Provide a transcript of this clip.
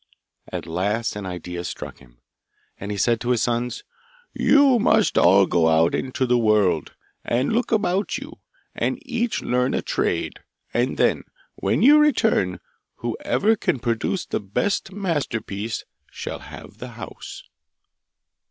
At last an idea struck him, and he said to his sons: 'You must all go out into the world, and look about you, and each learn a trade, and then, when you return, whoever can produce the best masterpiece shall have the house.